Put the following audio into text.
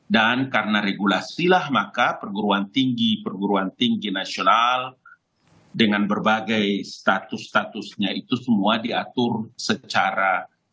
dan karena regulasilah maka perguruan tinggi perguruan tinggi nasional dengan berbagai status statusnya itu semua diatur secara